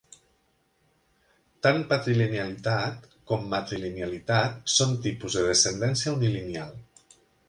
Tant patrilinealitat com matrilinealitat són tipus de descendència unilineal.